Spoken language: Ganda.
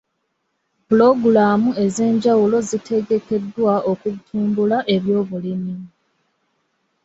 Pulogulaamu ez'enjawulo zitegekeddwa okutumbula ebyobulimi.